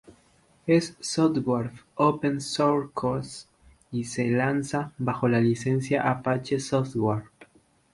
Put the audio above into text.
Es software open source, y se lanza bajo la licencia Apache Software.